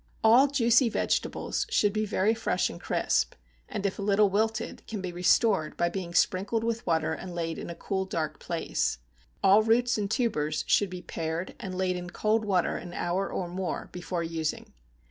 All juicy vegetables should be very fresh and crisp; and if a little wilted, can be restored by being sprinkled with water and laid in a cool, dark place; all roots and tubers should be pared and laid in cold water an hour or more before using.